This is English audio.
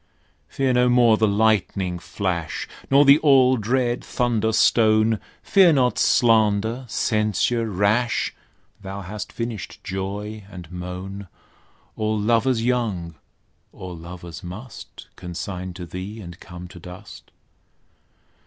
Fear no more the lightning flash, Nor the all dread thunder stone; Fear not slander, censure rash; Thou hast finished joy and moan; All lovers young, all lovers must Consign to thee, and come to dust.